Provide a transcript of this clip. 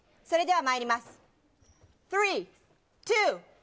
それではまいります。